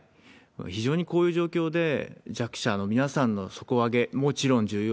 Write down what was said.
非常にこういう状況で、弱者の皆さんの底上げ、もちろん重要。